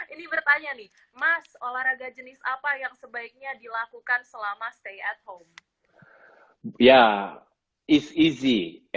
ini bertanya nih mas olahraga jenis apa yang sebaiknya dilakukan selama stay at home